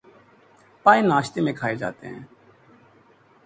پائے ناشتے میں کھائے جاتے ہیں